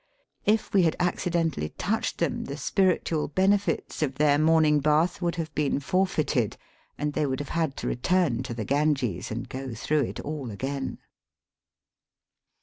If we had accidentally touched them, the spiritual benefits of their morning bath would have been forfeited, and they would have had to return to the Ganges and go through it all again.